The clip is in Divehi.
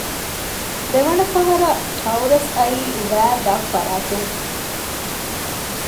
ދެވަނަ ފަހަރަށް ޓައުރަސް އައީ ވައި ދަށް ފަރާތުން